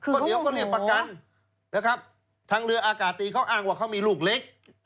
ก็เดี๋ยวก็เรียกประกันนะครับทางเรืออากาศตีเขาอ้างว่าเขามีลูกเล็ก